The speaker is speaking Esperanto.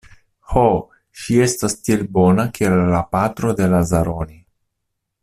Ho, ŝi estas tiel bona kiel la patro de Lazaroni.